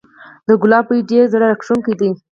د ګلاب بوی ډیر زړه راښکونکی دی